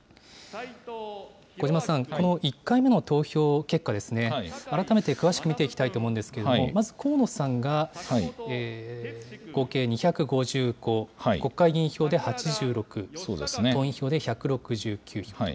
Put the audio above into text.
小嶋さん、この１回目の投票結果ですね、改めて詳しく見ていきたいと思うんですけれども、まず河野さんが合計２５５、国会議員票で８６、党員票で１６９票と。